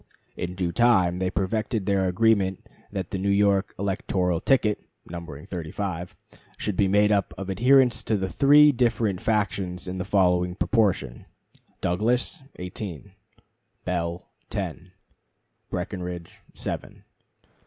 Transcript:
In due time they perfected their agreement that the New York electoral ticket (numbering thirty five) should be made up of adherents of the three different factions in the following proportion: Douglas, eighteen; Bell, ten; Breckinridge, seven.